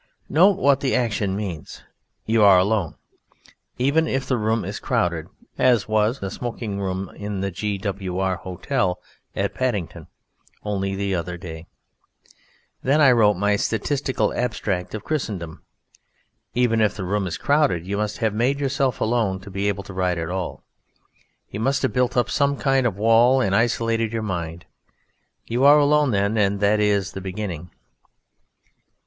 Note what the action means. You are alone. Even if the room is crowded (as was the smoking room in the G.W.R. Hotel, at Paddington, only the other day, when I wrote my "Statistical Abstract of Christendom"), even if the room is crowded, you must have made yourself alone to be able to write at all. You must have built up some kind of wall and isolated your mind. You are alone, then; and that is the beginning.